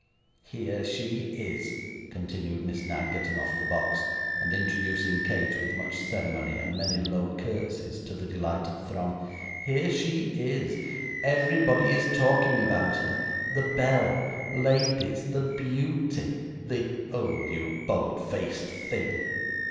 'Here she is,' continued Miss Knag, getting off the box, and introducing Kate with much ceremony and many low curtseys to the delighted throng; 'here she is everybody is talking about her the belle, ladies the beauty, the oh, you bold faced thing!